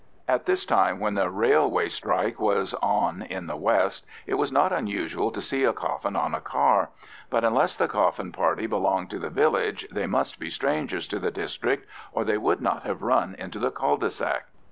At this time, when the railway strike was on in the west, it was not unusual to see a coffin on a car; but, unless the coffin party belonged to the village, they must be strangers to the district, or they would not have run into the cul de sac.